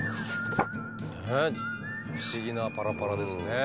ねえ不思議なパラパラですね。